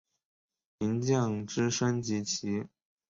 银将之升级棋。